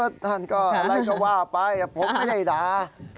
ท่านก็อะไรก็ว่าไปแต่ผมไม่ได้ด่า